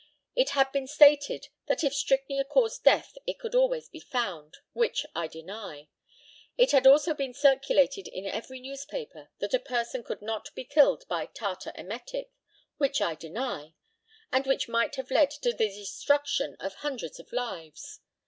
It had been stated that if strychnia caused death it could always be found, which I deny. It had also been circulated in every newspaper that a person could not be killed by tartar emetic, which I deny, and which might have led to the destruction of hundreds of lives.